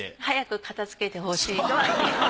早く片づけてほしいとは。